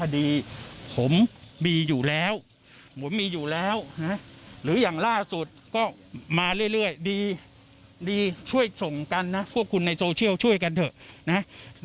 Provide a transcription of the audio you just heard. ดีช่วยส่งกันนะพวกคุณในโซเชียลช่วยกันเถอะ